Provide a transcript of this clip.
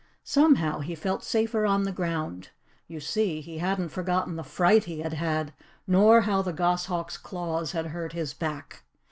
Somehow, he felt safer on the ground. You see, he hadn't forgotten the fright he had had, nor how the goshawk's claws had hurt his back.